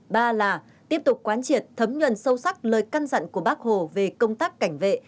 ba là tiếp tục quán triệt thấm nhuận sâu sắc lời căn dặn của bác hồ về công tác cảnh vệ